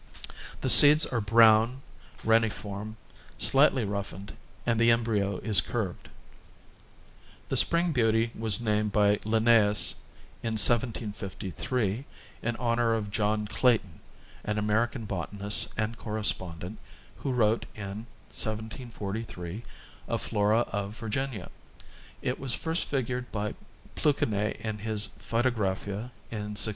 The seeds are brown, reniform, slightly roughened, and the embryo is curved. The Spring Beauty was named by Linnaeus in 1753 in honor of John Clayton, an American botanist and correspondent, who wrote, in 1743, a flora of Virginia. It was first figured by Plu kenet in his Phytographia in 1691.